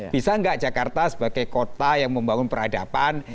bisa nggak jakarta sebagai kota yang membangun peradaban